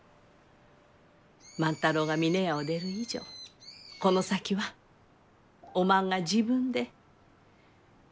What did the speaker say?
万太郎が峰屋を出る以上この先はおまんが自分で決めたらえい。